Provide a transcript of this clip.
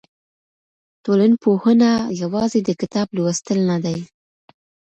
ټولنپوهنه یوازې د کتاب لوستل نه دي.